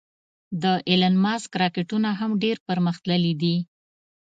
د ایلان ماسک راکټونه هم ډېر پرمختللې دې